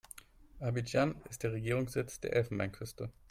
Abidjan ist der Regierungssitz der Elfenbeinküste.